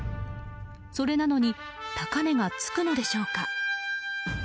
それなのに高値がつくのでしょうか。